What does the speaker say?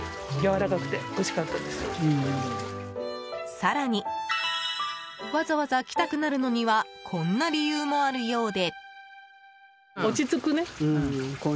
更にわざわざ来たくなるのにはこんな理由もあるようで。